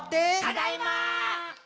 「ただいま！」